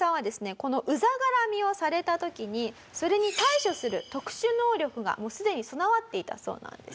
このウザ絡みをされた時にそれに対処する特殊能力がもうすでに備わっていたそうなんです。